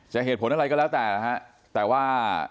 เหตุผลอะไรก็แล้วแต่นะฮะแต่ว่า